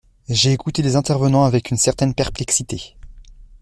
J’ai écouté les intervenants avec une certaine perplexité.